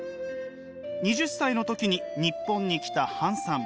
２０歳の時に日本に来たハンさん。